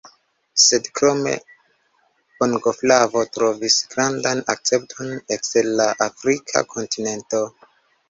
Sed krome bongoflavo trovis grandan akcepton ekster la afrika kontinento.